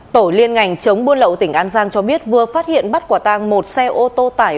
tổ liên ngành chống buôn lậu tỉnh an giang cho biết vừa phát hiện bắt quả tang một xe ô tô tải